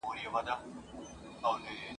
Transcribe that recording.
ځکه چي هغوی ژبه نه لري ,